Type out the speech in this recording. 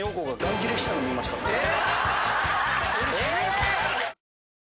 ・え！？